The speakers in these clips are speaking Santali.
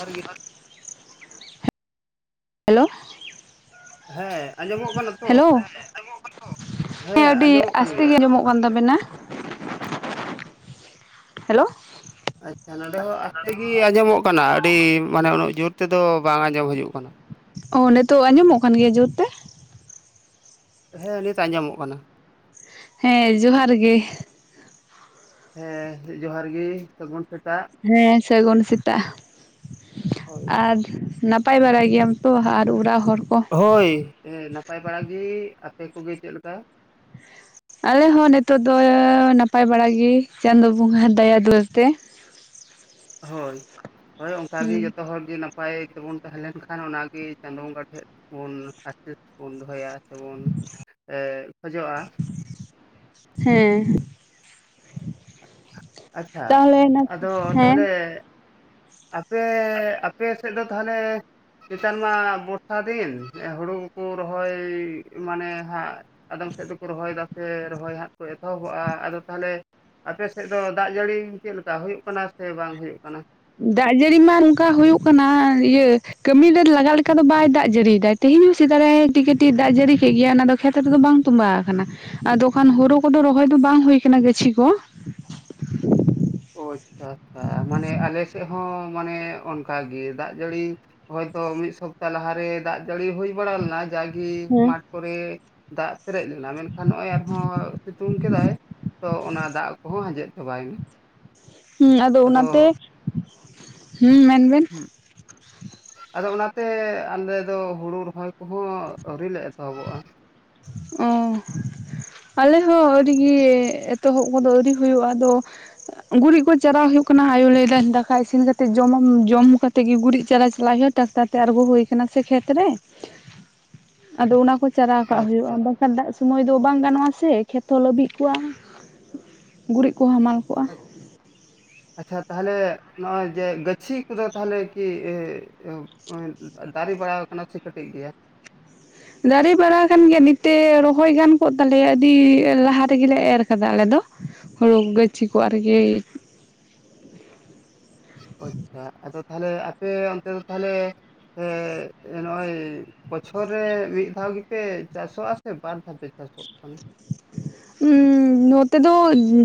ᱟᱨ ᱜᱤ ᱦᱮᱞᱳ ᱦᱮᱸ ᱟᱸᱡᱚᱢᱚᱜ ᱠᱟᱱᱟ ᱛᱚ ᱦᱮᱞᱳ ᱦᱮᱸ ᱟᱹᱰᱤ ᱟᱸᱡᱚᱢᱚᱜ ᱠᱟᱱ ᱟᱥᱛᱮ ᱜᱮᱭᱟ ᱜᱮ ᱟᱸᱡᱚᱢᱚᱜ ᱠᱟᱱ ᱛᱟᱵᱮᱱᱟ ᱦᱮᱞᱳ ᱟᱪᱪᱷᱟ ᱱᱚᱸᱰᱮ ᱦᱚᱸ ᱟᱥᱛᱮ ᱜᱤ ᱟᱸᱡᱚᱢᱚᱜ ᱠᱟᱱᱟ ᱟᱹᱰᱤ ᱢᱟᱱᱮ ᱩᱱᱟᱹᱜ ᱡᱳᱨ ᱛᱮᱫᱚ ᱵᱟᱝ ᱟᱸᱡᱚᱢ ᱦᱤᱡᱩᱜ ᱠᱟᱱᱟ ᱚ ᱱᱤᱛᱚᱜ ᱟᱸᱡᱚᱢᱚᱜ ᱠᱟᱱ ᱜᱮᱭᱟ ᱡᱳᱨ ᱛᱮ ᱦᱮᱸ ᱱᱤᱛ ᱟᱸᱡᱚᱢᱚᱜ ᱠᱟᱱᱟ ᱦᱮᱸ ᱡᱚᱦᱟᱨ ᱜᱮ ᱦᱮᱸ ᱡᱚᱦᱟᱨ ᱜᱤ ᱥᱟᱹᱜᱩᱱ ᱥᱮᱛ ᱦᱮᱸ ᱥᱟᱹᱜᱩᱱ ᱥᱮᱛᱟᱜ ᱦᱳᱭ ᱟᱨ ᱱᱟᱯᱟᱭ ᱵᱟᱨᱟᱭ ᱜᱮᱭᱟᱢ ᱛᱚ ᱟᱨ ᱚᱲᱟᱜ ᱦᱚᱲ ᱠᱚ ᱦᱳᱭ ᱱᱟᱯᱟᱭ ᱵᱟᱲᱟ ᱜᱤ ᱟᱯᱮ ᱠᱚᱜᱮ ᱪᱮᱫ ᱞᱮᱠᱟ ᱟᱞᱮ ᱦᱚᱸ ᱱᱤᱛᱚᱜ ᱫᱚ ᱱᱟᱯᱟᱭ ᱵᱟᱲᱟ ᱜᱤ ᱪᱟᱸᱫᱚ ᱵᱚᱸᱜᱟ ᱦᱟᱜ ᱫᱟᱭᱟ ᱫᱩᱞᱟᱹᱲ ᱛᱮ ᱦᱳᱭ ᱦᱳᱭ ᱚᱱᱠᱟ ᱜᱤ ᱦᱩᱸ ᱡᱚᱛᱚ ᱦᱚᱲ ᱜᱤ ᱱᱟᱯ ᱯᱟᱭ ᱛᱮᱵᱚᱱ ᱛᱟᱦᱮᱸ ᱞᱮᱱ ᱠᱷᱟᱱ ᱚᱱᱟ ᱜᱤ ᱪᱟᱸᱫᱳ ᱵᱚᱸᱜᱟ ᱴᱷᱮᱡ ᱵᱩᱱ ᱟᱥᱤᱥ ᱵᱩᱱ ᱫᱚᱦᱚᱭᱟ ᱥᱮ ᱵᱚᱱ ᱮᱜ ᱠᱷᱚᱡᱚᱜ-ᱟ ᱦᱮᱸ ᱟᱪᱪᱷᱟ ᱛᱟᱦᱚᱞᱮ ᱱᱮᱛ ᱟᱫᱚ ᱦᱮᱸ ᱛᱟᱦᱚᱞᱮ ᱟᱯᱮ ᱟᱯᱮ ᱥᱮᱫ ᱫᱚ ᱛᱟᱦᱚᱞᱮ ᱱᱮᱛᱟᱨ ᱢᱟ ᱵᱚᱨᱥᱟ ᱫᱤᱱ ᱦᱩᱲᱩ ᱠᱩ ᱨᱚᱦᱚᱭ ᱢᱟᱱᱮ ᱦᱟᱸᱜ ᱟᱫᱚᱢ ᱥᱮᱫ ᱫᱚᱠᱚ ᱨᱚᱦᱚᱭ ᱫᱟᱥᱮ ᱨᱚᱦᱚᱭ ᱦᱟᱸᱜ ᱠᱚ ᱮᱛᱚᱦᱚᱵᱚᱜ-ᱟ ᱟᱫᱚ ᱛᱟᱦᱚᱞᱮ ᱟᱯᱮ ᱥᱮᱫ ᱫᱚ ᱫᱟᱜ ᱡᱟᱹᱲᱤ ᱪᱮᱫ ᱞᱮᱠᱟ ᱦᱩᱭᱩᱜ ᱠᱟᱱᱟ ᱥᱮ ᱵᱟᱝ ᱦᱩᱭᱩᱜ ᱠᱟᱱᱟ ᱫᱟᱜ ᱡᱟᱹᱲᱤ ᱢᱟ ᱱᱚᱝᱠᱟ ᱦᱩᱭᱩᱜ ᱠᱟᱱᱟ ᱤᱭᱟᱹ ᱠᱟᱹᱢᱤ ᱨᱮ ᱞᱟᱜᱟᱜ ᱞᱮᱠᱟ ᱫᱚ ᱵᱟᱭ ᱫᱟᱜ ᱡᱟᱹᱲᱤᱭ ᱫᱟᱭ ᱛᱮᱦᱮᱧ ᱥᱮᱛᱟᱜ ᱨᱮ ᱠᱟᱹᱴᱤᱡ ᱠᱟᱹᱴᱤᱡ ᱫᱟᱜ ᱡᱟᱹᱲᱤ ᱠᱮᱫ ᱜᱮᱭᱟ ᱚᱱᱟ ᱫᱚ ᱠᱷᱮᱛ ᱨᱮᱫᱚ ᱵᱟᱝ ᱛᱚᱸᱵᱟᱣ ᱟᱠᱟᱱᱟ ᱟᱫᱚ ᱠᱷᱟᱱ ᱦᱩᱨᱩ ᱠᱚᱫᱚ ᱨᱚᱦᱚᱭ ᱫᱚ ᱵᱟᱝ ᱦᱩᱭ ᱠᱟᱱᱟ ᱜᱟᱹᱪᱷᱤ ᱠᱚ ᱳ ᱟᱪᱪᱷᱟ ᱟᱪᱪᱷᱟ ᱢᱟᱱᱮ ᱟᱞᱮ ᱥᱮᱫ ᱦᱚᱸ ᱢᱟᱱᱮ ᱚᱱᱠᱟ ᱜᱮ ᱫᱟᱜ ᱡᱟᱹᱲᱤ ᱦᱚᱭ ᱛᱚ ᱢᱤᱫ ᱥᱚᱯᱛᱟ ᱞᱟᱦᱟ ᱨᱮ ᱫᱟᱜ ᱡᱟᱹᱲᱤ ᱦᱩᱭ ᱵᱟᱲᱟ ᱞᱮᱱᱟ ᱡᱟᱜᱤ ᱦᱮᱸ ᱢᱟᱴᱷ ᱠᱚᱨᱮ ᱫᱟᱜ ᱯᱮᱨᱮᱡ ᱞᱮᱱᱟ ᱢᱮᱱᱠᱷᱟᱱ ᱱᱚᱜ-ᱚᱭ ᱟᱨᱦᱚᱸ ᱥᱤᱛᱩᱝ ᱠᱮᱫᱟᱭ ᱛᱚ ᱚᱱᱟ ᱫᱟᱜ ᱠᱚᱦᱚᱸ ᱟᱡᱮᱫ ᱪᱟᱵᱟᱭᱮᱱᱟ ᱦ ᱟᱫᱚ ᱚᱱᱟᱛᱮ ᱦ ᱢᱮᱱᱵᱮᱱ ᱦᱩᱸ ᱟᱫᱚ ᱚᱱᱟᱛᱮ ᱟᱞᱮ ᱫᱚ ᱦᱩᱲᱩ ᱨᱚᱦᱚᱭ ᱠᱚᱦᱚᱸ ᱟᱹᱣᱨᱤᱞ ᱞᱮ ᱮᱛᱚᱦᱚᱵᱚᱜᱼᱟ ᱚ ᱟᱞᱮ ᱦᱚᱸ ᱟᱹᱰᱤᱜᱮ ᱮᱛᱚᱦᱚᱵ ᱠᱚᱫᱚ ᱟᱹᱣᱨᱤ ᱦᱩᱭᱩᱜᱼᱟ ᱟᱫᱚ ᱜᱩᱨᱤᱡ ᱠᱚ ᱪᱟᱨᱟ ᱦᱩᱭᱩᱜ ᱠᱟᱱᱟ ᱟᱭᱳ ᱞᱟᱹᱭᱮᱫᱟ ᱫᱟᱠᱟ ᱤᱥᱤᱱ ᱠᱟᱛᱮᱜ ᱡᱚᱢ ᱡᱚᱢ ᱠᱟᱛᱮᱜ ᱜᱮ ᱜᱩᱨᱤᱡ ᱪᱟᱨᱟ ᱪᱟᱞᱟᱜ ᱦᱩᱭᱩᱜ ᱴᱟᱠᱴᱟᱨ ᱛᱮ ᱟᱬᱜᱚ ᱦᱳ ᱟᱠᱟᱱᱟ ᱥᱮ ᱠᱷᱮᱛ ᱨᱮ ᱟᱫᱚ ᱚᱱᱟ ᱠᱚ ᱪᱟᱞᱟᱣ ᱠᱟᱜ ᱦᱩᱭᱩᱜᱼᱟ ᱟᱪᱪᱷᱟ ᱠᱷᱟᱱ ᱫᱟᱜ ᱥᱩᱢᱟᱹᱭ ᱫᱚ ᱵᱟᱝ ᱜᱟᱱᱚᱜᱼᱟ ᱥᱮ ᱠᱷᱮᱛ ᱦᱚᱸ ᱞᱟᱹᱵᱜ ᱠᱚᱜᱼᱟ ᱜᱩᱨᱤᱡ ᱠᱚ ᱦᱟᱢᱟᱞ ᱠᱚ [inaudible] ᱟᱪᱪᱷᱟ ᱛᱟᱦᱞᱮ ᱱᱚᱜᱼᱚᱭ ᱡᱮ ᱜ ᱜᱟᱪᱷᱤ ᱠᱚᱫᱚ ᱛᱟᱦᱚᱞᱮ ᱠᱤ ᱫᱟᱨᱮ ᱵᱟᱲᱟᱣ ᱠᱟᱱᱟ ᱥᱮ ᱠᱟᱹᱴᱤᱡ ᱜᱮᱭᱟ ᱫᱟᱨᱮ ᱵᱟᱲᱟ ᱠᱟᱱ ᱜᱮᱭᱟ ᱱᱤᱛ ᱛᱮ ᱨᱚᱦᱚᱭ ᱜᱟᱱ ᱠᱚᱜᱼᱟ ᱛᱟᱞᱮᱭᱟ ᱟᱹᱰᱤ ᱞᱟᱦᱟ ᱨᱮᱜᱮᱞᱮ ᱮᱨ ᱠᱟᱫᱟ ᱟᱞᱮ ᱫᱚ ᱦᱩᱲᱩ ᱜᱟᱹᱪᱷᱤ ᱠᱚ ᱟᱨᱜᱤ ᱟᱪᱪᱷᱟ ᱟᱫᱚ ᱛᱟᱦᱚᱞᱮ ᱟᱯᱮ ᱚᱱᱛᱮ ᱫᱚ ᱛᱟᱦᱚᱞᱮ ᱱᱚᱜᱼᱚᱭ ᱵᱚᱪᱷᱚᱨ ᱨᱮ ᱢᱤᱫ ᱫᱷᱟᱣ ᱜᱮᱯᱮ ᱪᱟᱥᱚᱜᱼᱟ ᱥᱮ ᱵᱟᱨ ᱫᱷᱟᱣ ᱯᱮ ᱪᱟᱥᱚᱜ ᱠᱟᱱᱟ ᱦᱩᱸ ᱱᱚᱛᱮ ᱫᱚ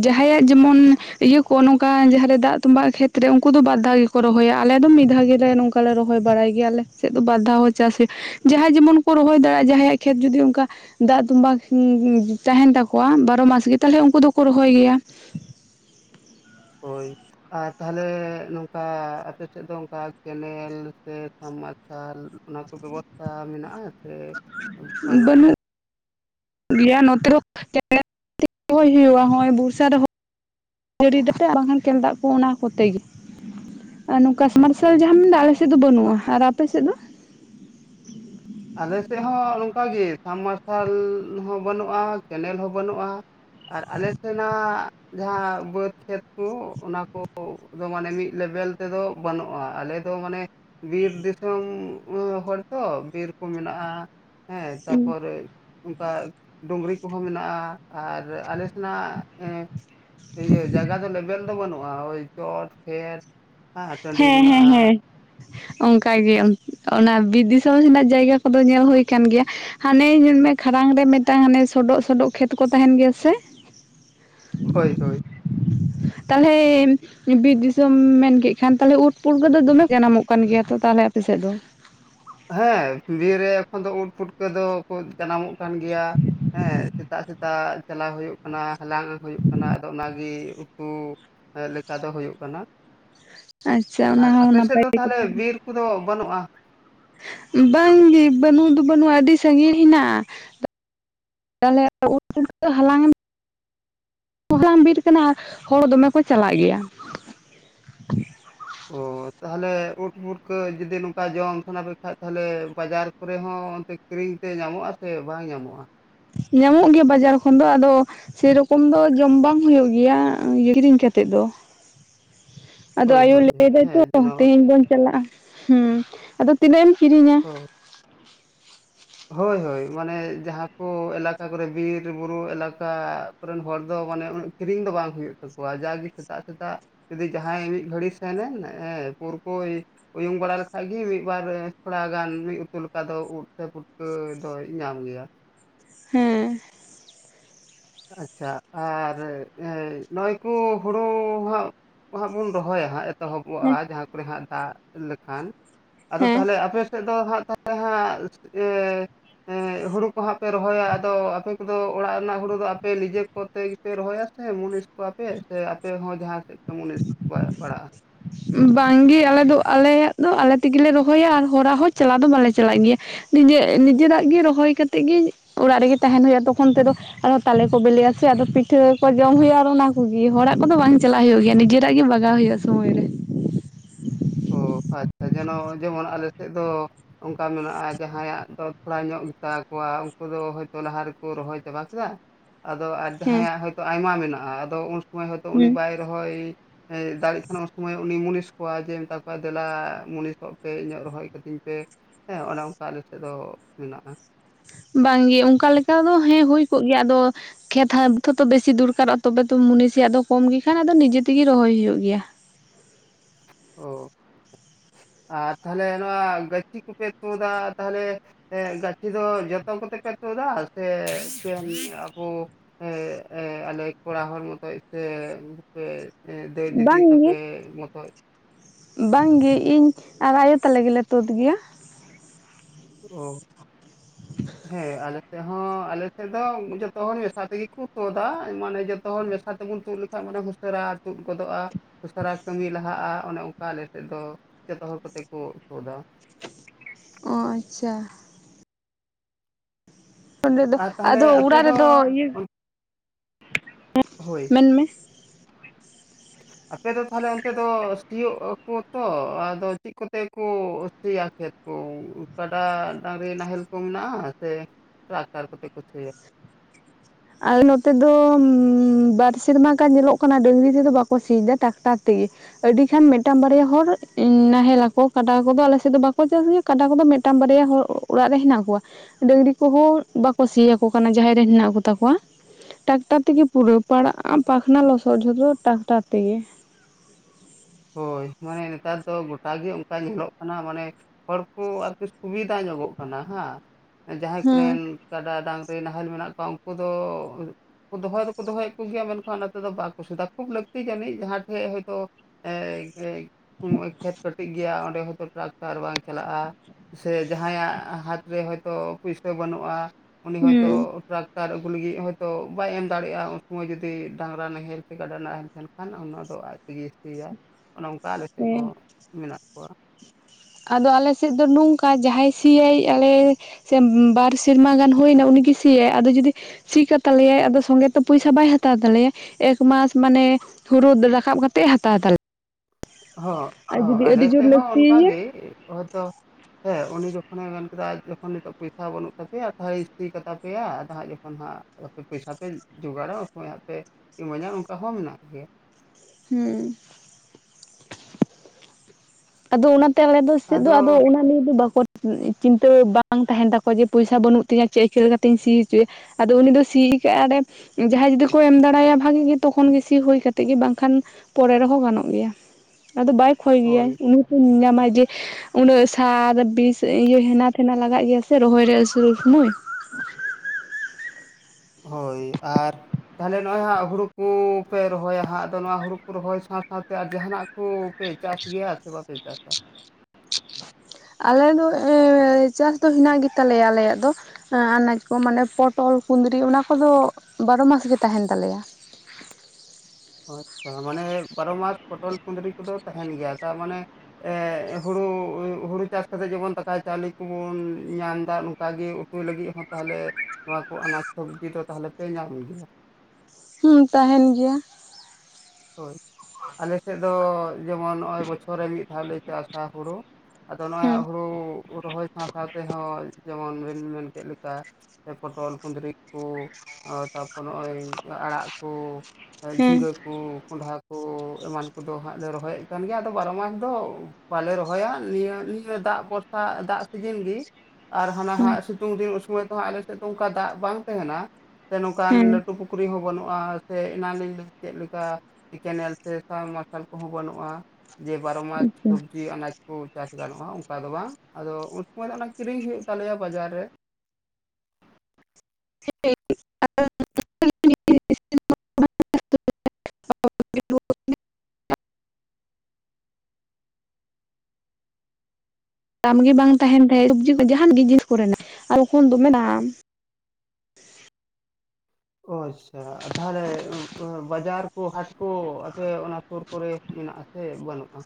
ᱡᱟᱦᱟᱸᱭᱟᱜ ᱡᱮᱢᱚᱱ ᱤᱭᱟᱹ ᱠᱚ ᱱᱚᱝᱠᱟ ᱡᱟᱦᱟᱸᱨᱮ ᱫᱟᱜ ᱛᱵᱟᱜ ᱠᱷᱮᱛ ᱨᱮ ᱩᱱᱠᱩ ᱫᱚ ᱵᱟᱫᱷᱟᱣ ᱜᱮᱠᱚ ᱨᱚᱦᱚᱭᱟ ᱟᱞᱮᱚ ᱢᱤᱫ ᱫᱷᱟᱣ ᱜᱮᱞᱮ ᱱᱚᱝᱠᱟ ᱞᱮ ᱨᱚᱦᱚᱭ ᱵᱟᱲᱟᱭ ᱜᱮᱭᱟᱞᱮ ᱪᱮᱫ ᱫᱚ ᱵᱟᱫᱷᱟᱣ ᱦᱚᱸ ᱪᱟᱥ ᱜᱮᱭᱟ᱾ ᱡᱟᱦᱟᱸᱭ ᱡᱮᱢᱚᱱ ᱠᱚ ᱨᱚᱦᱚᱭ ᱫᱟᱲᱮᱭᱟᱜᱼᱟ ᱡᱟᱦᱟᱸᱭᱟᱜ ᱠᱷᱮᱛ ᱡᱩᱫᱤ ᱚᱱᱠᱟ ᱫᱟᱜ ᱛᱩᱢᱵᱟᱟᱜ ᱛᱟᱦᱮᱱ ᱛᱟᱠᱚᱣᱟ ᱵᱟᱨᱚ ᱢᱟᱥ ᱜᱮ ᱛᱟᱦᱚᱞᱮ ᱩᱱᱠᱩ ᱫᱚᱠᱚ ᱨᱚᱦᱚᱭ ᱜᱮᱭᱟ᱾ ᱦᱳᱭ ᱟᱨ ᱛᱟᱦᱚᱞᱮ ᱱᱚᱝᱠᱟ ᱟᱯᱮᱴᱮᱫ ᱫᱚ ᱚᱱᱠᱟ ᱠᱮᱱᱮᱞ ᱥᱮ ᱥᱟᱢ ᱟᱪᱪᱷᱟ ᱚᱱᱟ ᱠᱚ ᱵᱮᱵᱚᱥᱛᱟ ᱢᱮᱱᱟᱜᱼᱟ ᱥᱮ ᱵᱟᱹᱱᱩᱜᱼᱟ? ᱭᱟ [inaudible] ᱱᱚᱛ ᱦᱮ [inaudible] ᱵᱩᱨᱥᱟ ᱨᱮᱦᱚ ᱡᱟᱹᱲᱤᱭ ᱫᱟᱯᱮ ᱟᱨ ᱵᱟᱝᱠᱷᱟᱱ ᱠᱮᱞ ᱫᱟᱜ ᱠᱚ ᱚᱱᱟ ᱠᱚᱛᱮ ᱜᱮ᱾ ᱟᱨ ᱱᱚᱝᱠᱟᱥᱢ ᱚ ᱢᱟᱨᱥᱟᱞ ᱡᱟᱦᱟᱸᱟᱢ ᱢᱮᱱ ᱮᱫᱟ ᱟᱞᱮᱮᱥᱮᱫ ᱫᱚ ᱵᱟᱹᱱᱩᱜᱼᱟ, ᱟᱨ ᱟᱯᱮ ᱥᱮᱫ ᱫᱚ? ᱟᱞᱮ ᱥᱮᱫ ᱦᱚᱸ ᱚᱱᱠᱟᱜᱮ ᱥᱟᱵ ᱢᱟᱨᱥᱟᱞ ᱦᱚᱸ ᱵᱟᱹᱱᱩᱜᱼᱟ, ᱠᱮᱱᱮᱞ ᱦᱚᱸ ᱵᱟᱹᱱᱩᱜᱼᱟ, ᱟᱨ ᱟᱞᱮ ᱥᱮᱱᱟᱜ ᱡᱟᱦᱟᱸ ᱵᱟᱹᱫᱽ ᱠᱷᱮᱛ ᱠᱚ ᱚᱱᱟ ᱠᱚ, ᱫᱚ ᱢᱟᱱᱮ ᱢᱤᱫ ᱞᱮᱵᱮᱞ ᱛᱮᱫᱚ ᱵᱟᱹᱱᱩᱜᱼᱟ ᱟᱞᱮ ᱫᱚ ᱢᱟᱱᱮ ᱵᱤᱨ ᱫᱤᱥᱚᱢ ᱦᱚᱲ ᱛᱚ ᱵᱤᱨ ᱠᱚ ᱢᱮᱱᱟᱜᱼᱟ ᱦᱮᱸ ᱛᱟᱯᱚᱨ ᱚᱱᱠᱟ ᱰᱩᱝᱨᱤ ᱠᱚᱦᱚᱸ ᱢᱮᱱᱟᱜᱼᱟ ᱟᱨ ᱟᱞᱮ ᱥᱮᱱᱟᱜ ᱤᱭᱟᱹ ᱡᱟᱭᱜᱟ ᱫᱚ ᱞᱮᱵᱮᱞ ᱫᱚ ᱵᱟᱹᱱᱩᱜᱼᱟ ᱳᱭ ᱪᱚᱴ ᱪᱚᱴ ᱯᱷᱮᱴ ᱦᱮᱸ ᱦᱮᱸ ᱦᱮᱸ ᱚᱱᱠ ᱜᱮᱮ ᱚᱱᱟ ᱵᱤᱨ ᱫᱤᱥᱚᱢ ᱨᱮᱱᱟᱜ ᱡᱟᱭᱜᱟ ᱠᱚᱫᱚ ᱧᱮᱞ ᱦᱩᱭ ᱠᱟᱱᱟᱱ ᱜᱮᱭᱟ, ᱦᱟᱱᱮ ᱧᱮᱞ ᱢᱮ ᱠᱷᱟᱲᱟᱝ ᱨᱮ ᱢᱤᱫᱴᱟᱝ ᱦᱟᱱᱮ ᱥᱚᱰᱚᱜ ᱥᱚᱰᱚᱜ ᱠᱷᱮᱛ ᱠᱚ ᱛᱟᱦᱮᱱ ᱜᱮᱭᱟ ᱥᱮ? ᱦᱳᱭ ᱦᱳᱭ ᱛᱟᱦᱚᱞᱮ ᱵᱤᱨ ᱫᱤᱥᱚᱢ ᱢᱮᱱ ᱠᱮᱫ ᱮᱱᱠᱷᱟᱱ ᱛᱟᱦᱚᱞᱮ ᱩᱴᱯᱩᱨᱩᱨ ᱫᱚ ᱫᱚᱢᱮ ᱡᱟᱱᱟᱢᱚᱜ ᱠᱟᱱ ᱜᱮᱭᱟ ᱛᱚ ᱛᱟᱦᱚᱞᱮ ᱟᱯ ᱥᱮᱫ ᱫᱚ? ᱦᱮᱸ ᱵᱤᱨ ᱨᱮ ᱮᱠᱷᱚᱱ ᱫᱚ ᱩᱴ ᱯᱷᱩᱴᱠᱟᱹ ᱫᱚ ᱡᱟᱱᱟᱢᱚᱜ ᱠᱟᱱ ᱜᱮᱭᱟ ᱦᱮᱸ ᱥᱮᱛᱟᱜ ᱥᱮᱛᱟᱜ ᱪᱟᱞᱟᱣ ᱦᱩᱭᱩᱜ ᱚᱱᱟ ᱦᱟᱞᱟᱝ ᱦᱩᱭᱩᱜ ᱠᱟᱱᱟ ᱟᱫᱚ ᱚᱱᱟᱜᱮ ᱩᱛᱩ ᱞᱮᱠᱟ ᱫᱚ ᱦᱩᱭᱩᱜ ᱠᱟᱱᱟ᱾ ᱟᱪᱪᱷᱟ ᱚᱱᱟ ᱟᱨ ᱦᱚᱸ ᱟᱯᱮ ᱥᱮᱫ ᱱᱟᱯᱟᱭ ᱫᱚ ᱛᱟᱦᱚᱞᱮ ᱵᱤᱨ ᱠᱚᱫᱚ ᱵᱟᱹᱱᱩᱜᱼᱟ? ᱵᱟᱝᱜᱮ ᱵᱟᱹᱱᱩᱜ ᱫᱚ ᱵᱟᱹᱱᱩᱜᱼᱟ ᱟᱹᱰᱤ ᱥᱟᱺᱜᱤᱧ ᱦᱮᱱᱟᱜᱼᱟ᱾ ᱛᱟᱦᱮᱞᱮ ᱩᱫ ᱯᱩᱴᱠᱟᱹ ᱦᱟᱞᱟᱝ ᱮᱢ [unintelligible] ᱵᱤᱨ ᱟᱠᱟᱱᱟ ᱟᱨ ᱦᱚᱲ ᱫᱚᱢᱮ ᱠᱚ ᱪᱟᱞᱟᱜ ᱜᱮᱭᱟ᱾ ᱚ ᱛᱟᱦᱚᱞᱮ ᱩᱸᱴ ᱵᱷᱩᱨᱠᱟᱹ ᱡᱩᱫᱤ ᱱᱚᱝᱠᱟ ᱡᱚᱢ ᱥᱟᱱᱟ ᱯᱮ ᱠᱷᱟᱱᱡ ᱛᱟᱦᱚᱞᱮ ᱵᱟᱡᱟᱨ ᱠᱚᱨᱮ ᱦᱚᱸ ᱚᱱ ᱠᱤᱨᱤᱧ ᱛᱮ ᱧᱟᱢᱚᱜᱼᱟ ᱥᱮ ᱵᱟᱝ ᱧᱟᱢᱚᱜᱼᱟ? ᱧᱟᱢᱚᱜ ᱜᱮᱭᱟ ᱵᱟᱡᱟᱨ ᱠᱷᱚᱱ ᱫᱚ ᱟᱫᱚ ᱥᱮᱨᱚᱠᱚᱢ ᱫᱚ ᱡᱚᱢ ᱵᱟᱝ ᱦᱩᱭᱩᱜᱳ ᱜᱮᱭᱟ ᱠᱤᱨᱤᱧ ᱠᱟᱛᱮᱜ ᱫᱚ᱾ ᱟᱫᱚ ᱦᱳᱭ ᱟᱭᱳ ᱦᱳᱭ ᱞᱟᱹᱭ ᱫᱟᱭᱛᱚ ᱦᱮᱸ ᱡᱮᱱᱚ ᱛᱮᱦᱮᱧ ᱵᱚᱱ ᱪᱟᱞᱟᱜᱼᱟ᱾ ᱦᱩᱸ ᱟᱫᱚ ᱛᱤᱱᱟᱹᱜ ᱮᱢ ᱠᱤᱨᱤᱧᱟ, ᱦᱳᱭ ᱦᱳᱭ ᱦᱳᱭ ᱢᱟᱱᱮ ᱡᱟᱦᱟᱸ ᱠᱚ ᱮᱞᱟᱠᱟ ᱠᱚᱨᱮ ᱵᱤᱨ ᱵᱩᱨᱩ ᱮᱞᱟᱠᱟ ᱟᱛᱩᱨᱮᱱ ᱦᱚᱲ ᱫᱚ ᱢᱟᱱᱮ ᱩᱱᱟᱹᱜ ᱠᱤᱨᱤᱧ ᱫᱚ ᱵᱟᱝ ᱦᱩᱭᱩᱜ ᱛᱟᱠᱚᱣᱟ ᱡᱟ ᱜᱮ ᱥᱮᱛᱟᱜ ᱥᱮᱛᱟᱜ ᱡᱩᱫᱤ ᱡᱟᱦᱟᱸᱭ ᱢᱤᱫ ᱜᱷᱟᱹᱲᱤᱡ ᱥᱮᱱᱼᱮᱱ ᱯᱩᱨ ᱠᱚᱭ ᱩᱭᱩᱝ ᱵᱟᱲᱟ ᱞᱮᱠᱷᱟᱱ ᱜᱮ ᱢᱤᱫᱵᱟᱨ ᱛᱷᱚᱲᱟ ᱜᱟᱱ ᱢᱤᱫ ᱩᱛᱩ ᱞᱮᱠᱟ ᱫᱚ ᱩᱫᱽ ᱥᱮ ᱠᱟᱹ ᱫᱚᱭ ᱧᱟᱢ ᱜᱮᱭᱟ᱾ ᱦᱮᱸ ᱟᱪᱪᱷᱟ ᱟᱨ ᱱᱚᱜᱼᱚᱭ ᱠᱚ ᱦᱩᱲᱩ ᱦᱟᱸᱜ ᱚᱱᱟ ᱵᱚᱱ ᱨᱚᱦᱚᱭᱟ ᱦᱟᱸᱜ ᱦᱮᱸ ᱮᱛᱚᱦᱚᱵᱚᱜᱼᱟ ᱡᱟᱦᱟᱸ ᱠᱚᱨᱮ ᱦᱟᱸᱜ ᱫᱟᱜ ᱞᱮᱠᱷᱟᱱ, ᱟᱫᱚ ᱛᱟᱦᱚᱞᱮ ᱟᱯᱮ ᱥᱮᱫ ᱫᱚ ᱦᱟᱸᱜ ᱛᱟᱦᱚᱞᱮ ᱦᱟᱸᱜ ᱮ ᱦᱩᱲᱩ ᱠᱚ ᱦᱟᱸᱜ ᱯᱮ ᱨᱚᱦᱚᱭᱟ ᱟᱫᱚ ᱟᱯᱮ ᱠᱚᱫᱚ ᱚᱲᱟᱜ ᱨᱮᱱᱟᱜ ᱦᱩᱲᱩ ᱫᱚ ᱟᱯᱮ ᱱᱤᱡᱮ ᱠᱚᱛᱮ ᱜᱮᱯᱮ ᱨᱚᱦᱚᱭᱟ ᱥᱮ ᱢᱩᱱᱤᱥ ᱠᱚᱣᱟᱯᱮ ᱥᱮ ᱟᱯᱮ ᱦᱚᱸ ᱡᱟᱦᱟᱸ ᱥᱮᱫ ᱯᱮ ᱢᱩᱱᱤᱥ ᱠᱚᱣᱟᱜ ᱯᱟᱲᱟᱜᱼᱟ᱾ ᱵᱟᱝᱜᱮ ᱟᱞᱮ ᱫᱚ ᱟᱞᱮᱭᱟᱜ ᱫᱚ ᱟᱞᱮ ᱛᱮᱜᱮ ᱞᱮ ᱨᱚᱦᱚᱭᱟ ᱟᱨ ᱦᱚᱲᱟᱜ ᱦᱚᱸ ᱪᱟᱞᱟᱣ ᱫᱚ ᱵᱟᱞᱮ ᱪᱟᱞᱟᱜ ᱜᱮᱭᱟ᱾ ᱱᱤᱡᱮ ᱱᱤᱡᱮᱨᱟᱜ ᱜᱮ ᱨᱚᱦᱚᱭ ᱠᱟᱛᱮᱫ ᱜᱮ ᱚᱲᱟᱜ ᱨᱮᱜᱮ ᱛᱟᱦᱮᱱ ᱦᱩᱭᱩᱜᱼᱟ ᱛᱚᱠᱷᱚᱱ ᱛᱮᱫᱚ ᱟᱨᱦᱚᱸ ᱛᱟᱞᱮ ᱠᱚ ᱵᱤᱞᱮ ᱦᱮᱥᱮ ᱟᱫᱚ ᱯᱤᱴᱷᱟᱹ ᱠᱚ ᱡᱚᱢ ᱦᱩᱭᱩᱜᱼᱟ ᱟᱨ ᱚᱱᱟ ᱠᱚᱜᱮ ᱦᱚᱲᱟᱜ ᱠᱚᱫᱚ ᱵᱟᱝ ᱪᱟᱞᱟᱜ ᱦᱩᱭᱩᱜ ᱜᱮᱭᱟ ᱱᱤᱡᱮᱨᱟᱜ ᱜᱮ ᱵᱟᱜᱟᱣ ᱦᱩᱭᱩᱜᱼᱟ᱾ ᱥᱚᱢᱚᱭ ᱨᱮ ᱚ ᱟᱪᱪᱷᱟ ᱡᱮᱱᱚ ᱡᱮᱢᱚᱱ ᱟᱞᱮ ᱥᱮᱫ ᱫᱚ ᱚᱱᱠᱟ ᱢᱮᱱᱟᱜᱼᱟ ᱡᱟᱦᱟᱸᱭᱟᱜ ᱫᱚ ᱛᱷᱚᱲᱟ ᱧᱚᱜ ᱜᱮᱛᱟ ᱠᱚᱣᱟ ᱩᱱᱠᱩ ᱫᱚ ᱦᱚᱭᱛᱚ ᱞᱟᱦᱟ ᱨᱮᱠᱚ ᱨᱚᱦᱚᱭ ᱪᱟᱵᱟ ᱠᱮᱫᱟ ᱟᱫᱚ ᱟᱨ ᱦᱮᱸ ᱡᱟᱦᱟᱸᱭᱟᱜ ᱦᱚᱭᱛᱚ ᱟᱭᱢᱟ ᱢᱮᱱᱟᱜᱼᱟ ᱟᱫᱚ ᱩᱱ ᱥᱚᱢᱚᱭᱛᱚ ᱩᱱᱤ ᱦᱩᱸ ᱵᱟᱭ ᱦᱚᱭ ᱫᱟᱲᱮᱜ ᱠᱟᱱᱟ ᱩᱱ ᱥᱚᱢᱚᱭ ᱩᱱᱤ ᱢᱩᱱᱤᱥ ᱠᱚᱣᱟ ᱡᱮ ᱢᱮᱛᱟ ᱠᱚᱣᱟ ᱫᱮᱞᱟ ᱢᱩᱱᱤᱥᱚᱜ ᱯᱮ ᱤᱧᱟᱹᱜ ᱨᱚᱦᱚᱭ ᱠᱟᱹᱛᱤᱧ ᱯᱮ᱾ ᱦᱮᱸ ᱚᱱᱮ ᱚᱱᱠᱟ ᱟᱞᱮᱥᱮᱡ ᱫᱚ ᱢᱮᱱᱟᱜᱼᱟ᱾ ᱵᱟᱝᱜᱮ ᱚᱱᱠᱟ ᱞᱮᱠᱟ ᱫᱚ ᱦᱮᱸ ᱦᱩᱭ ᱠᱚᱜ ᱜᱮᱭᱟ ᱟᱫᱚ ᱠᱷᱮᱛ ᱦᱟᱛ ᱛᱚ ᱵᱮᱥᱤ ᱫᱚᱨᱠᱟᱨᱚᱜᱼᱟ ᱛᱚᱵᱮ ᱛᱚ ᱢᱩᱱᱤᱥᱤᱭᱟᱜ ᱫᱚ ᱠᱚᱢ ᱜᱮᱠᱷᱟᱱ ᱫᱚ ᱱᱤᱡᱮ ᱛᱮᱜᱮ ᱨᱚᱦᱚᱭ ᱦᱩᱭᱩᱜ ᱜᱮᱭᱟ᱾ ᱚ ᱟᱨ ᱛᱟᱦᱚᱞᱮ ᱱᱚᱣᱟ ᱜᱟᱹᱪᱷᱤ ᱠᱚᱯᱮ ᱛᱩᱫᱼᱟ ᱛᱟᱦᱚᱞᱮ ᱜᱟᱹᱪᱷᱤ ᱫᱚ ᱡᱚᱛᱚ ᱠᱚᱛᱮ ᱯᱮ ᱛᱩᱫᱟ ᱥᱮ ᱟᱵᱚ ᱥᱮ ᱮ ᱟᱞᱮ ᱠᱚᱲᱟ ᱦᱚᱲ ᱢᱚᱛᱚᱡ ᱥᱮ ᱫᱟᱹᱭ ᱫᱤᱫᱤ ᱵᱟᱝᱜᱮ ᱛᱟᱯᱮ ᱢᱚᱛᱚᱡ? ᱵᱟᱝᱜᱮ, ᱤᱧ ᱟᱨ ᱟᱭᱳ ᱛᱟᱞᱮ ᱜᱮᱞᱮ ᱛᱩᱫ ᱜᱮᱭᱟ᱾ ᱚ [inaudible] ᱦᱮᱸ ᱟᱞᱮᱥᱮᱫ ᱦᱚᱸ ᱟᱞᱮᱥᱮᱫ ᱫᱚ ᱡᱚᱛᱚ ᱦᱚᱲ ᱢᱮᱥᱟ ᱛᱮᱜᱮ ᱠᱚ ᱛᱚᱫ ᱫᱟ ᱢᱟᱱᱮ ᱡᱚᱛᱚ ᱦᱚᱲ ᱢᱮᱥᱟ ᱛᱮ ᱛᱮᱵᱚᱱ ᱛᱩᱫ ᱞᱮᱠᱷᱟᱡ ᱢᱟᱱᱮ ᱩᱥᱟᱹᱨᱟ ᱛᱩᱫ ᱜᱚᱫᱚᱜᱼᱟ ᱩᱥᱟᱹᱨᱟ ᱠᱟᱹᱢᱤ ᱞᱟᱦᱟᱜᱼᱟ ᱚᱱᱮ ᱚᱱᱠᱟ ᱟᱞᱮ ᱥᱮᱫ ᱫᱚ᱾ ᱡᱚᱛᱚ ᱦᱚᱲᱛᱮ ᱠᱚ ᱛᱳᱫᱼᱟ᱾ ᱚ ᱟᱪᱪᱷᱟ᱾ ᱚᱸᱰᱮ ᱫᱚ ᱟᱨ ᱛᱟᱦᱚᱞᱮ ᱟᱫᱚ ᱟᱯᱮ ᱚᱲᱟᱜ ᱫᱚ ᱨᱮᱫᱚ ᱤᱭᱟᱹ [unintelligible] ᱦᱳᱭ ᱩᱱ ᱢᱮ [unintelligible] ᱟᱯᱮ ᱫᱚ ᱛᱟᱦᱚᱞᱮ ᱚᱱᱛᱮ ᱫᱚ ᱥᱤᱭᱳᱜ ᱟᱠᱚ ᱛᱚ ᱟᱫᱚ ᱪᱮᱫ ᱠᱚᱛᱮ ᱠᱚ ᱥᱤᱭᱟ ᱠᱷᱮᱛ ᱠᱚ ᱠᱟᱰᱟ ᱰᱟᱝᱨᱤ ᱱᱟᱦᱮᱞ ᱠᱚ ᱢᱮᱱᱟᱜᱼᱟ ᱥᱮ ᱴᱨᱟᱠᱴᱟᱨ ᱠᱚᱛᱮ ᱠᱚ ᱥᱤᱭᱟ? ᱟᱞᱮ ᱱᱚᱛᱮ ᱫᱚ ᱵᱟᱨ ᱥᱮᱨᱢᱟ ᱜᱟᱱ ᱧᱮᱞᱚᱜ ᱠᱟᱱᱟ ᱰᱟᱝᱨᱤ ᱛᱮᱫᱚ ᱵᱟᱠᱚ ᱥᱤ ᱮᱫᱟ ᱴᱟᱠᱴᱟᱨ ᱛᱮᱜᱮ, ᱟᱹᱰᱤ ᱠᱷᱟᱱ ᱢᱤᱫᱴᱟᱝ ᱵᱟᱨᱭᱟ ᱦᱚᱲ ᱱᱟᱦᱮᱞ ᱟᱠᱚ ᱠᱟᱰᱟ ᱠᱚᱫᱚ ᱟᱞᱮᱥᱮᱫ ᱫᱚ ᱵᱟᱠᱚ ᱪᱟᱥ ᱜᱮᱭᱟ ᱠᱟᱰᱟ ᱠᱚᱫᱚ ᱢᱤᱫᱴᱟᱝ ᱵᱟᱨᱭᱟ ᱦᱚᱲ ᱚᱲᱟᱜ ᱨᱮ ᱦᱮᱱᱟᱜ ᱠᱚᱣᱟ ᱰᱟᱹᱝᱨᱤ ᱠᱚᱦᱚᱸ ᱵᱟᱠᱚ ᱥᱤ ᱟᱠᱚ ᱠᱟᱱᱟ ᱡᱟᱦᱟᱸᱭ ᱨᱮᱱ ᱦᱮᱱᱟᱜ ᱠᱚ ᱛᱟᱠᱚᱣᱟ ᱴᱮᱠᱴᱟᱨ ᱛᱮᱜᱮ ᱯᱩᱨᱟᱹ ᱯᱟᱲᱟᱜ ᱯᱟᱠᱷᱱᱟ ᱞᱚᱥᱚᱫ ᱡᱷᱚᱛᱚ ᱴᱮᱠᱴᱟᱨ ᱛᱮᱜᱮ᱾ ᱦᱳᱭ ᱢᱟᱱᱮ ᱱᱮᱛᱟᱨ ᱫᱚ ᱜᱚᱴᱟ ᱜᱮ ᱚᱱᱠᱟ ᱧᱮᱞᱚᱜ ᱠᱟᱱᱟ ᱢᱟᱱᱮ ᱦᱚᱲ ᱠᱚ ᱟᱨᱠᱤ ᱥᱩᱵᱤᱫᱷᱟ ᱧᱚᱜᱚᱜ ᱠᱟᱱᱟ ᱦᱟᱸᱜ ᱡᱟᱦᱟᱸᱭ ᱦᱮᱸ ᱠᱚᱨᱮᱱ ᱠᱟᱰᱟ ᱰᱟᱝᱨᱤ ᱱᱟᱦᱮᱞ ᱢᱮᱱᱟᱜ ᱠᱚᱣᱟ ᱩᱱᱠᱩ ᱫᱚ ᱫᱚᱦᱚ ᱫᱚᱠᱚ ᱫᱚᱦᱚᱭᱮᱫ ᱠᱚᱜᱮᱭᱟ ᱢᱮᱱᱠᱷᱟᱱ ᱚᱱᱟ ᱛᱮᱫᱚ ᱵᱟᱠᱚ [unintelligible] ᱞᱟᱹᱠᱛᱤ ᱡᱟᱹᱱᱤᱡ ᱡᱟᱦᱟᱸ ᱴᱷᱮᱡ ᱦᱚᱭᱛᱚ ᱠᱷᱮᱛ ᱠᱟᱹᱴᱤᱡ ᱜᱮᱭᱟ ᱚᱸᱰᱮ ᱦᱚᱭᱛᱚ ᱴᱨᱟᱠᱴᱟᱨ ᱵᱟᱝ ᱪᱟᱞᱟᱜᱼᱟ ᱥᱮ ᱡᱟᱦᱟᱸᱭᱟᱜ ᱦᱟᱛᱨᱮ ᱦᱚᱭᱛᱚ ᱯᱩᱭᱥᱟᱹ ᱵᱟᱹᱱᱩᱜᱼᱟ, ᱩᱱᱤ ᱦᱚᱭᱛᱚ ᱦᱮᱸ [unintelligible] [unintelligible] ᱟᱹᱜᱩ ᱞᱟᱹᱜᱤᱫ ᱦᱚᱭᱛᱚ ᱵᱟᱭ ᱮᱢ ᱫᱟᱲᱮᱭᱟᱜᱼᱟ ᱩᱱ ᱥᱚᱢᱚᱭ ᱡᱩᱫᱤ ᱰᱟᱝᱨᱟ ᱱᱟᱦᱮᱞ ᱥᱮ ᱠᱟᱰᱟ ᱱᱟᱦᱮᱞ ᱠᱷᱟᱱ ᱠᱷᱟᱱ ᱚᱱᱟ ᱫᱚ ᱟᱡ ᱛᱮᱜᱮ ᱥᱤᱭᱟ ᱚᱱᱮ ᱚᱱᱠᱟ ᱟᱞᱮ ᱥᱮᱫ ᱦᱮᱸ ᱦᱚᱸ ᱢᱮᱱᱟᱜ ᱠᱚᱣᱟ᱾ ᱟᱫᱚ ᱟᱞᱮᱥᱮᱫ ᱫᱚ ᱱᱚᱝᱠᱟ ᱡᱟᱦᱟᱸᱭ ᱥᱤᱭᱟᱭ ᱟᱞᱮ ᱥᱮ ᱵᱟᱨ ᱥᱮᱨᱢᱟ ᱜᱟᱱ ᱦᱳᱭᱱᱟ ᱩᱱᱤᱜᱮ ᱥᱤᱭᱟᱭ ᱟᱫᱚ ᱡᱩᱫᱤ ᱥᱤ ᱠᱟᱛᱟᱞᱮᱭᱟᱭ ᱟᱫᱚ ᱥᱚᱸᱜᱮ ᱛᱮ ᱯᱚᱭᱥᱟ ᱵᱟᱭ ᱦᱟᱛᱟᱣ ᱛᱟᱞᱮᱭᱟ ᱮᱠ ᱢᱟᱥ ᱢᱟᱱᱮ ᱦᱩᱲᱩ ᱨᱟᱠᱟᱵ ᱠᱟᱛᱮᱜ ᱦᱟᱛᱟᱣ ᱛᱟᱞᱮ ᱦᱚᱸ ᱟᱨ ᱦᱚᱸ ᱡᱩᱫᱤ ᱟᱞᱮ ᱟᱹᱰᱤ ᱡᱳᱨ ᱥᱮᱫ ᱦᱚᱸ ᱞᱟᱹᱠᱛᱤᱭᱟᱭᱟ ᱚᱱᱠᱟᱜᱮ ᱦᱚᱭᱛᱚ ᱦᱮᱸ ᱩᱱᱤ [inaudible] ᱢᱮᱱ ᱠᱮᱫᱟ ᱡᱚᱠᱷᱚᱱ ᱱᱤᱛᱚᱜ ᱯᱚᱭᱥᱟ ᱵᱟᱹᱱᱩᱜ ᱛᱟᱯᱮᱭᱟ ᱛᱟᱦᱞᱮᱧ ᱥᱤ ᱠᱟᱛᱟ ᱯᱮᱭᱟ ᱟᱫᱚ ᱦᱟᱸᱜ ᱡᱚᱠᱷᱚᱱ ᱦᱟᱸᱜ ᱟᱯᱮ ᱯᱚᱭᱥᱟ ᱯᱮ ᱡᱚᱜᱟᱲᱟ ᱩᱱ ᱥᱚᱢᱚᱭ ᱟᱯᱮ ᱤᱢᱟᱹᱧᱟ ᱚᱱᱠᱟ ᱦᱚᱸ ᱢᱮᱱᱟᱜ ᱜᱮᱭᱟ᱾ ᱦᱩᱸ, ᱟᱫᱚ ᱚᱱᱟᱛᱮ ᱟᱞᱮ ᱫᱚ ᱥᱮᱫ ᱫᱚ ᱟᱫᱚ ᱚᱱᱟ ᱱᱤᱭᱟᱹ ᱫᱚ ᱵᱟᱠᱚ ᱪᱤᱱᱛᱟᱹ ᱵᱟᱝ ᱛᱟᱦᱮᱱ ᱛᱟᱠᱚᱣᱟ ᱡᱮ ᱯᱚᱭᱥᱟ ᱵᱟᱹᱱᱩᱜ ᱛᱤᱧᱟᱹ ᱪᱮᱫ ᱟᱹᱭᱠᱟᱹ ᱠᱟᱛᱮᱧ ᱥᱤ ᱦᱚᱪᱚᱭᱟ, ᱟᱫᱚ ᱩᱱᱤ ᱫᱚ ᱥᱤ ᱠᱟᱜᱼᱟ ᱨᱮ ᱡᱟᱦᱟᱸᱭ ᱡᱩᱫᱤ ᱠᱚ ᱮᱢ ᱫᱟᱲᱮᱟᱭᱟ ᱵᱷᱟᱹᱜᱮ ᱜᱮ ᱛᱚᱠᱷᱚᱱ ᱜᱮ ᱥᱤ ᱦᱳᱭ ᱠᱟᱛᱮᱜ ᱜᱮ ᱵᱟᱝᱠᱷᱟᱱ ᱯᱚᱨᱮ ᱨᱮᱦᱚᱸ ᱜᱟᱱᱚᱜ ᱜᱮᱭᱟ ᱟᱫᱚ ᱵᱟᱭ ᱠᱷᱚᱭ ᱜᱮᱭᱟᱭ ᱦᱳᱭ ᱩᱱᱤ ᱫᱚ ᱧᱟᱢᱟᱭ ᱡᱮ ᱩᱱᱟᱹᱜ ᱥᱟᱨ ᱵᱤᱥ ᱤᱭᱟᱹ ᱦᱮᱱᱟ ᱛᱷᱮᱱᱟ ᱞᱟᱜᱟᱜ ᱜᱮᱭᱟ ᱥᱮ ᱨᱚᱦᱚᱭ ᱨᱮ ᱥᱩᱨᱩ ᱥᱚᱢᱚᱭ ᱦᱳᱭ ᱟᱨ ᱛᱟᱦᱞᱮ ᱱᱚᱜᱼᱚᱭ ᱦᱟᱸᱜ ᱦᱩᱲᱩ ᱠᱩ-ᱯᱮ ᱨᱚᱦᱚᱭᱟ ᱦᱟᱸᱜ ᱟᱫᱚ ᱱᱚᱣᱟ ᱦᱩᱲᱩ ᱠᱚ ᱨᱚᱦᱚᱭ ᱥᱟᱶ ᱥᱟᱶᱛᱮ ᱟᱨ ᱡᱟᱦᱟᱱᱟᱜ ᱠᱩ ᱯᱮ ᱪᱟᱥ ᱜᱮᱭᱟ ᱥᱮ ᱵᱟᱯᱮ ᱪᱟᱥᱟ ᱟᱞᱮ ᱫᱚ ᱪᱟᱥ ᱫᱚ ᱦᱮᱱᱟᱜ ᱜᱮᱛᱟᱞᱮᱭᱟ ᱟᱞᱮᱭᱟᱜ ᱫᱚ ᱟᱱᱟᱡ ᱠᱚ ᱢᱟᱱᱮ ᱯᱚᱴᱚᱞ ᱠᱩᱸᱫᱽᱨᱤ ᱚᱱᱟ ᱠᱚᱫᱚ ᱵᱟᱨᱚ ᱢᱟᱥ ᱜᱮ ᱛᱟᱦᱮᱱ ᱛᱟᱞᱮᱭᱟ [inaudible] ᱢᱟᱱᱮ ᱵᱟᱨᱚ ᱢᱟᱥ ᱯᱚᱴᱚᱞ ᱠᱩᱸᱫᱽᱨᱤ ᱠᱚᱫᱚ ᱛᱟᱦᱮᱱ ᱜᱮᱭᱟ ᱛᱟᱨᱢᱟᱱᱮ ᱦᱩᱲᱩ ᱦᱩᱲᱩ ᱪᱟᱥ ᱠᱟᱛᱮᱜ ᱡᱮᱢᱚᱱ ᱫᱟᱠᱟ ᱪᱟᱣᱞᱮ ᱠᱚᱵᱚᱱ ᱧᱟᱢᱫᱟ ᱱᱚᱝᱠᱟᱜᱮ ᱛᱩᱭ ᱞᱟᱹᱜᱤᱜ ᱦᱚᱸ ᱛᱟᱦᱞᱮ ᱱᱚᱣᱟ ᱠᱚ ᱟᱱᱟᱡᱽ ᱥᱚᱵᱽᱡᱤ ᱫᱚ ᱛᱟᱦᱞᱮ ᱯᱮ ᱧᱟᱢ ᱜᱮᱭᱟ ᱦᱩ ᱛᱟᱦᱮᱱ ᱜᱮᱭᱟ ᱦᱳᱭ ᱟᱞᱮ ᱥᱮᱫ ᱫᱚ ᱡᱮᱢᱚᱱ ᱱᱚᱜᱼᱚᱭ ᱵᱚᱪᱷᱚᱨ ᱨᱮ ᱢᱤᱫ ᱫᱷᱟᱣ ᱞᱮ ᱪᱟᱥᱟ ᱦᱳᱲᱳ ᱟᱫᱚ ᱱᱚᱜᱼᱚᱭ ᱦᱮᱸ ᱦᱳᱲᱳ ᱨᱚᱦᱚᱭ ᱥᱟᱶ ᱥᱟᱶ ᱛᱮᱦᱚᱸ ᱡᱮᱢᱚᱱ ᱵᱤᱱ ᱢᱮᱱ ᱠᱮᱜ ᱞᱮᱠᱟ ᱯᱚᱴᱚᱞ ᱠᱩᱸᱫᱽᱨᱤ ᱠᱚ ᱛᱟᱨᱯᱚᱨ ᱱᱚᱜᱼᱚᱭ ᱟᱲᱟᱜ ᱠᱚ ᱦᱮᱸ ᱡᱷᱤᱸᱜᱟᱹ ᱠᱚ ᱠᱚᱸᱰᱷᱟ ᱠᱚ ᱮᱢᱟᱱ ᱠᱚᱫᱚ ᱦᱟᱸᱜ ᱞᱮ ᱨᱚᱦᱚᱭᱮᱫ ᱠᱟᱱ ᱜᱮᱭᱟ ᱟᱫᱚ ᱵᱟᱨᱚ ᱢᱟᱥ ᱫᱚ ᱵᱟᱞᱮ ᱨᱚᱦᱚᱭᱟ ᱱᱤᱭᱟᱹ ᱱᱤᱭᱟᱹ ᱫᱟᱜ [unintelligible] ᱫᱟᱜ ᱥᱤᱡᱤᱱ ᱜᱮ ᱟᱨ ᱦᱟᱱᱟ ᱦᱮᱸ ᱦᱟᱸᱜ ᱥᱤᱛᱩᱝ ᱫᱤᱱ ᱩᱱᱥᱩᱢᱟᱹᱭ ᱫᱚ ᱦᱟᱸᱜ ᱟᱞᱮ ᱥᱮᱫ ᱫᱚ ᱚᱱᱠᱟ ᱫᱟᱜ ᱵᱟᱝ ᱛᱟᱦᱮᱱᱟ ᱥᱮ ᱱᱚᱝᱠᱟᱱ ᱞᱟᱹᱴᱩ ᱦᱮᱸ ᱯᱩᱠᱷᱨᱤ ᱦᱚᱸ ᱵᱟᱹᱱᱩᱜᱼᱟ ᱥᱮ ᱮᱱᱟᱞᱤᱧ ᱞᱟᱹᱭ ᱪᱮᱫ ᱞᱮᱠᱟ ᱠᱮᱱᱮᱞ ᱥᱮ ᱥᱟᱢ ᱢᱟᱨᱥᱟᱞ ᱠᱚᱦᱚᱸ ᱵᱟᱹᱱᱩᱜᱼᱟ ᱡᱮ ᱵᱟᱨᱚ ᱢᱟᱥ ᱥᱚᱵᱽᱡᱤ ᱟᱱᱟᱡ ᱠᱚ ᱪᱟᱥ ᱜᱟᱱᱚᱜᱼᱟ ᱚᱱᱠᱟ ᱫᱚ ᱵᱟᱝ ᱟᱫᱚ ᱠᱤᱨᱤᱧ ᱦᱩᱭᱩᱜ ᱛᱟᱞᱮᱭᱟ ᱵᱟᱡᱟᱨ ᱨᱮ [inaudible] ᱫᱟᱢ ᱜᱮ ᱵᱟᱝ ᱛᱟᱦᱮᱱ ᱛᱟᱦᱮᱸᱫ ᱥᱚᱵᱽᱡᱤ ᱠᱚ ᱡᱟᱦᱟᱱ ᱜᱮ ᱡᱤᱱᱤᱥ ᱠᱚᱨᱮᱱᱟᱜ ᱟᱨ ᱮᱠᱷᱚᱱ ᱫᱚᱢᱮ ᱫᱟᱢ ᱚ ᱟᱪᱪᱷᱟ ᱛᱟᱦᱞᱮ ᱵᱟᱡᱟᱨ ᱠᱚ ᱦᱟᱴ ᱠᱚ ᱟᱯᱮ ᱚᱱᱟ ᱥᱳᱨ ᱠᱚᱨᱮ ᱢᱮᱱᱟᱜ-ᱟ ᱥᱮ ᱵᱟᱹᱱᱩᱜᱼᱟ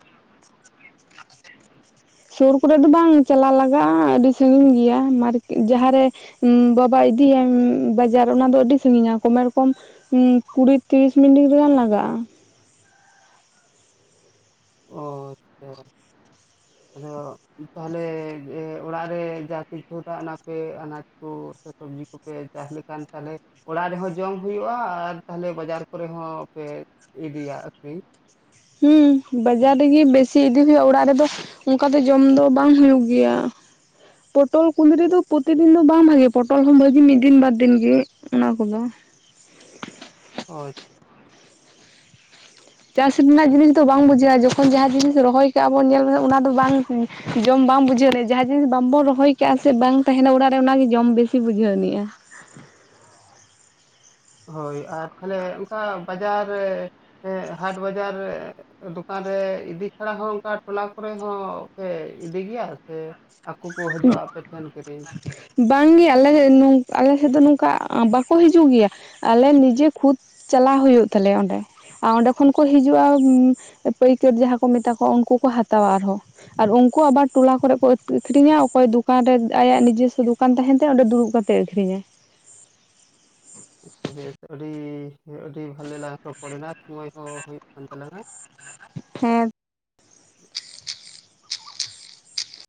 ᱥᱳᱨ ᱠᱚᱨᱮ ᱫᱚ ᱵᱟᱝ ᱪᱟᱞᱟ ᱞᱟᱜᱟᱜᱼᱟ ᱟᱹᱰᱤ ᱥᱟᱺᱜᱤᱧ ᱜᱮᱭᱟ ᱡᱟᱦᱟᱸ ᱨᱮ ᱵᱟᱵᱟ ᱤᱫᱤᱭᱟᱭ ᱵᱟᱡᱟᱨ ᱚᱱᱟ ᱫᱚ ᱟᱹᱰᱤ ᱥᱟᱺᱜᱤᱧᱟ ᱠᱚᱢᱮᱨ ᱠᱚᱢ ᱠᱩᱲᱤ ᱛᱤᱨᱤᱥ ᱢᱤᱱᱤᱴ ᱜᱟᱱ ᱞᱟᱜᱟᱜᱼᱟ ᱚ ᱟᱪᱪᱷᱟ [inaudible] ᱟᱫᱚ ᱛᱟᱦᱚᱞᱮ ᱚᱲᱟᱜ ᱨᱮ [inaudible] [inaudible] ᱟᱱᱟᱡ ᱛᱳ ᱥᱮ ᱥᱚᱵᱡᱤ ᱠᱚᱠᱚ ᱮᱨ ᱪᱟᱥ ᱞᱮᱠᱷᱟᱱ ᱛᱟᱦᱚᱞᱮ ᱚᱲᱟᱜ ᱨᱮᱦᱚᱸ ᱡᱚᱢ ᱦᱩᱭᱩᱜᱼᱟ ᱟᱨ ᱛᱟᱦᱚᱞᱮ ᱵᱟᱡᱟᱨ ᱠᱚᱨᱮ ᱦᱚᱸ ᱯᱮ ᱤᱫᱤᱭᱟ ᱟᱹᱠᱷᱨᱤᱧ᱾ ᱦᱩᱸ, ᱵᱟᱡᱟᱨ ᱨᱮᱜᱤ ᱵᱮᱥᱤ ᱤᱫᱤ ᱦᱩᱭᱩᱜᱼᱟ ᱚᱲᱟᱜ ᱨᱮᱫᱚ ᱩᱝᱠᱟ ᱫᱚ ᱡᱚᱢ ᱫᱚ ᱵᱟᱝ ᱦᱩᱭᱩᱜ ᱜᱮᱭᱟ᱾ ᱯᱚᱴᱚᱞ ᱠᱩᱸᱫᱨᱤ ᱫᱚ ᱯᱨᱚᱛᱤᱫᱤᱱ ᱫᱚ ᱵᱟᱝ ᱵᱷᱟᱜᱮ ᱯᱚᱴᱚᱞ ᱦᱚᱸ ᱵᱷᱟᱜᱤ ᱢᱤᱫ ᱫᱤᱱ ᱵᱟᱨ ᱫᱤᱱ ᱜᱤ᱾ ᱚᱱᱟ ᱠᱚᱫᱚ᱾ ᱚᱪ ᱪᱟᱥ ᱨᱮᱱᱟᱜ ᱡᱤᱱᱤᱥ ᱫᱚ ᱵᱟᱝ ᱵᱩᱡᱷᱟᱹᱜᱼᱟ ᱡᱚᱠᱷᱚᱱ ᱡᱟᱦᱟᱸ ᱡᱤᱱᱤᱥ ᱨᱚᱦᱚᱭ ᱠᱟᱜᱼᱟ ᱵᱚᱱ ᱧᱮᱞ ᱢᱮᱥᱮ ᱚᱱᱟ ᱫᱚ ᱵᱟᱝ ᱡᱚᱢ ᱵᱟᱢ ᱵᱩᱡᱷᱟᱹᱣ ᱮᱱᱮᱡ ᱡᱟᱦᱟᱸ ᱡᱤᱱᱤᱥ ᱵᱟᱢᱵᱚᱱ ᱨᱚᱦᱚᱭ ᱠᱟᱜᱼᱟ ᱥᱮ ᱵᱟᱝ ᱛᱟᱦᱮᱱᱟ ᱚᱲᱟᱜ ᱨᱮ ᱚᱱᱟᱜᱮ ᱡᱚᱢ ᱵᱮᱥᱤ ᱵᱩᱡᱷᱟᱹᱣ ᱢᱮᱭᱟ᱾ ᱦᱳᱭ ᱟᱨ ᱛᱷᱟᱞᱮ ᱩᱝᱠᱟ ᱵᱟᱡᱟᱨ ᱨᱮ ᱥᱮ ᱦᱟᱴ ᱵᱟᱡᱟᱨ ᱨᱮ ᱫᱩᱠᱟᱱ ᱨᱮ ᱤᱫᱤ ᱪᱷᱟᱲᱟ ᱦᱚᱸ ᱩᱝᱠᱟ ᱴᱩᱞᱟ ᱠᱚᱨᱮ ᱦᱚᱸ ᱯᱮ ᱤᱫᱤ ᱜᱤᱭᱟ ᱥᱮ ᱟᱠᱩ ᱠᱚ ᱦᱟᱹᱡᱩᱜᱼᱟ ᱟᱯᱮ ᱯᱷᱮᱱ ᱠᱤᱨᱤᱧ᱾ ᱵᱟᱝ ᱜᱮ ᱟᱞᱮ ᱱᱩᱝ ᱟᱞᱮ ᱥᱮᱫ ᱫᱚ ᱱᱩᱠᱟ ᱵᱟᱠᱚ ᱦᱤᱡᱩᱜ ᱜᱮᱭᱟ ᱟᱞᱮ ᱱᱤᱡᱮ ᱠᱷᱩᱫ ᱪᱟᱞᱟᱣ ᱦᱩᱭᱩᱜ ᱛᱟᱞᱮᱭᱟ ᱚᱸᱰᱮ᱾ ᱟᱨ ᱚᱸᱰᱮ ᱠᱷᱚᱱ ᱠᱚ ᱦᱤᱡᱩᱜᱼᱟ ᱯᱟᱹᱭᱠᱟᱹᱨ ᱡᱟᱦᱟᱸ ᱠᱚ ᱢᱮᱛᱟ ᱠᱚᱣᱟ ᱩᱱᱠᱩ ᱠᱚ ᱦᱟᱛᱟᱣᱟ ᱟᱨᱦᱚᱸ᱾ ᱟᱨ ᱩᱱᱠᱩ ᱟᱵᱟᱨ ᱴᱚᱞᱟ ᱠᱚᱨᱮ ᱠᱚ ᱮᱠᱴᱩ ᱤᱠᱷᱨᱤᱧᱟᱣ᱾ ᱚᱠᱚᱭ ᱫᱩᱠᱟᱱ ᱨᱮ ᱟᱭᱟᱜ ᱱᱤᱡᱮᱥᱥᱚ ᱫᱩᱠᱟᱱ ᱛᱟᱦᱮᱸᱱ ᱛᱟᱭᱟ ᱚᱸᱰᱮ ᱫᱩᱲᱩᱵ ᱠᱟᱛᱮ ᱟᱹᱠᱷᱨᱤᱧᱟᱭ᱾ ᱵᱮᱥ ᱟᱹᱰᱤ ᱟᱹᱰᱤ ᱵᱷᱟᱞᱮ ᱞᱟᱦᱟ ᱯᱚᱨᱮᱱᱟᱜ ᱥᱚᱢᱚᱭ ᱦᱚᱸ ᱦᱩᱭᱩᱜ ᱠᱟᱱ ᱛᱟᱞᱟᱝᱼᱟ᱾ ᱦᱮᱸ᱾